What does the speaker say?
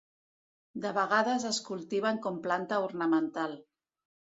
De vegades es cultiven com planta ornamental.